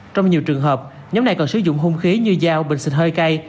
trong nhiều trường hợp nhóm này còn sử dụng hung khí như dao bình xịt hơi cay